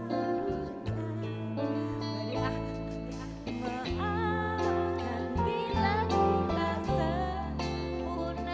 maafkan bila ku tak sempurna